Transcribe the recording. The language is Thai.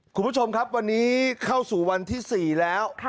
คุณผู้ชมครับวันนี้เข้าสู่วันที่๔แล้ว